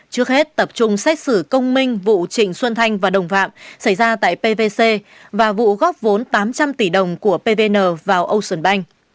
trước hết tập trung xét xử công minh vụ trịnh xuân thanh và đồng phạm xảy ra tại pvc và vụ góp vốn tám trăm linh tỷ đồng của pvn vào ocean bank